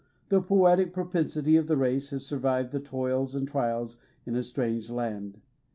The poetic pro pensity of the race has survived the toils and trials in a strange land.